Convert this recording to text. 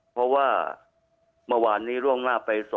เพราะว่าเมื่อวานนี้ร่วงหน้าไปส่องน่ะครับ